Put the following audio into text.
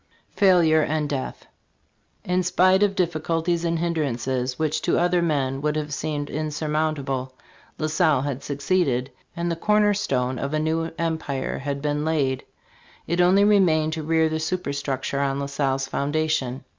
FAILURE AND DEATH IN spite of difficulties and hindrances which to other men would have seemed insurmountable, La Salle had succeeded, and the corner stone of a new empire had been laid. It only remained to rear the superstructure on La Salle's foundation.